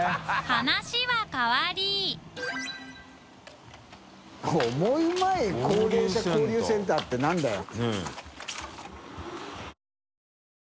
話は変わり「オモウマい高齢者交流センター」って何だよ。